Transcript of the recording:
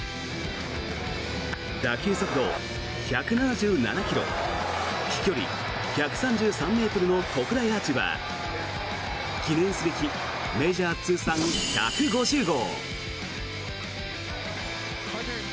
打球速度１７７ｋｍ飛距離１３３ｍの特大アーチは記念すべきメジャー通算１５０号。